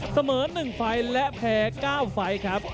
เสมอ๑ไฟล์และแพ้๙ไฟล์ครับ